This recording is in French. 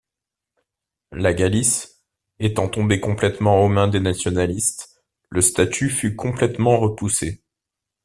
La Galice, étant tombée complètement aux mains des nationalistes, le statut fut complètement repoussé.